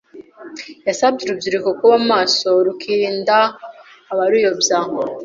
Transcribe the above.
yasabye Urubyiruko kuba maso rukirinda abaruyobya